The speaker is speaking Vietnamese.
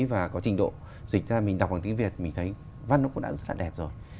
và có trình độ dịch ra mình đọc bằng tiếng việt mình thấy văn nó cũng đã rất là đẹp rồi